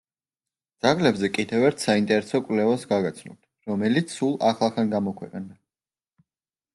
ძაღლებზე კიდევ ერთ საინტერესო კვლევას გაგაცნობთ, რომელიც სულ ახლახან გამოქვეყნდა.